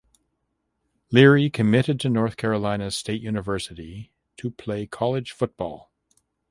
Leary committed to North Carolina State University to play college football.